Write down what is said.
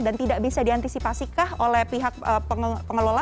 dan tidak bisa diantisipasikah oleh pihak pengelola